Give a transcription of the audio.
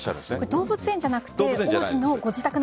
動物園じゃなくて王子のご自宅なんですね。